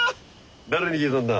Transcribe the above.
誰に聞いたんだ？